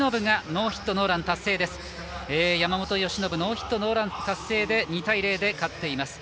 ノーヒットノーラン達成で２対０で勝っています。